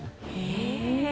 へえ。